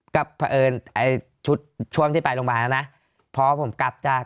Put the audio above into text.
กับเผอิญไอ้ชุดชวมที่ไปโรงพยาบาลน่ะนะเพราะว่าผมกลับจาก